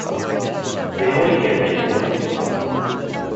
They only get in the way.